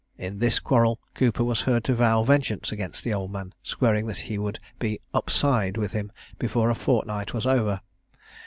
In this quarrel, Cooper was heard to vow vengeance against the old man, swearing that he would be "up side" with him before a fortnight was over.